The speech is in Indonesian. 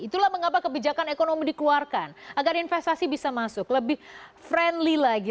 itulah mengapa kebijakan ekonomi dikeluarkan agar investasi bisa masuk lebih friendly lagi